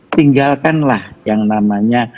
tinggalkanlah yang namanya